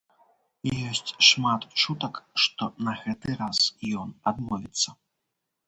Ёсць шмат чутак, што на гэты раз ён адмовіцца.